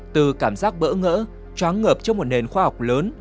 từ cảm giác bỡ ngỡ tráng ngợp trong một nền khoa học lớn